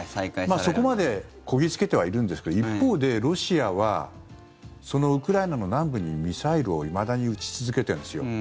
そこまでこぎ着けてはいるんですけど一方でロシアはそのウクライナの南部にミサイルを、いまだに撃ち続けているんですよ。